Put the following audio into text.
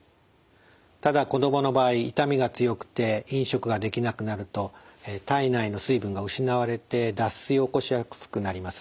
ただ子どもの場合痛みが強くて飲食ができなくなると体内の水分が失われて脱水を起こしやすくなります。